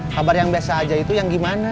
kabar yang biasa aja itu yang gimana